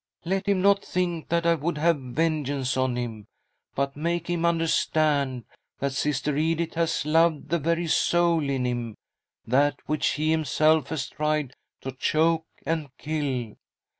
Let him not think that I would have vengeance on him, but make him understand that Sister Edith has loved the very soul in him — that which he himself has tried to choke and kill.